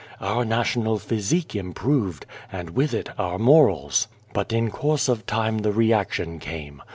Our 2 55 A World national physique improved, and with it our morals. " But in course of time the reaction came.